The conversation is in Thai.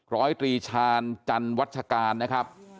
ร้อยตรีชาญจันวัชการนะครับ